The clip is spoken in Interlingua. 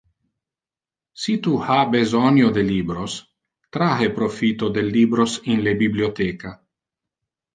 Si tu ha besonio de libros, trahe profito del libros in le bibliotheca.